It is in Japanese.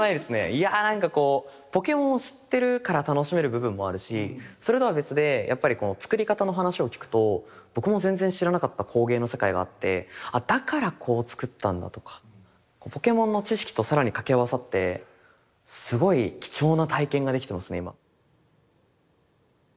いやあなんかこうポケモンを知ってるから楽しめる部分もあるしそれとは別でやっぱりこう作り方の話を聞くと僕も全然知らなかった工芸の世界があってあだからこう作ったんだとかポケモンの知識と更に掛け合わさってすごい貴重な体験ができてますね今。